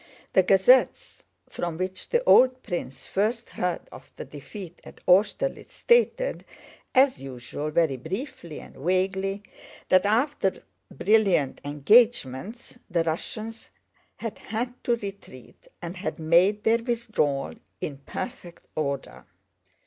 The gazettes from which the old prince first heard of the defeat at Austerlitz stated, as usual very briefly and vaguely, that after brilliant engagements the Russians had had to retreat and had made their withdrawal in perfect order.